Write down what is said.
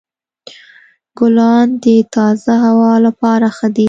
ګلان د تازه هوا لپاره ښه دي.